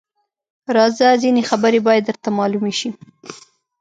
_راځه! ځينې خبرې بايد درته مالومې شي.